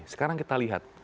sekarang kita lihat